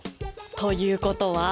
ということは！？